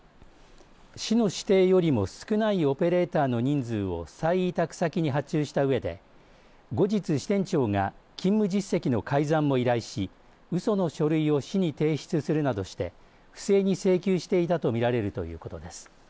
市の指定よりも少ないオペレーターの人数を再委託先に発注したうえで後日、支店長が勤務実績の改ざんを依頼しうその書類を市に提出するなどして不正に請求していたと見られるということです。